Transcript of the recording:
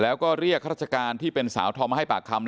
แล้วก็ช่วยกันนำนายธีรวรรษส่งโรงพยาบาล